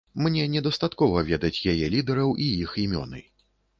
Мне недастаткова ведаць яе лідэраў і іх імёны.